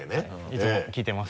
いつも聴いてます。